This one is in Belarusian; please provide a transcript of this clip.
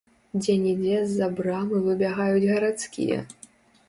Дзе-нідзе з-за брамы выбягаюць гарадскія.